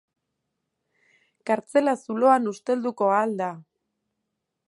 Kartzela zuloan ustelduko ahal da!